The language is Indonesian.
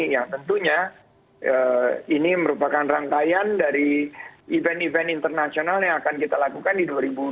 yang tentunya ini merupakan rangkaian dari event event internasional yang akan kita lakukan di dua ribu dua puluh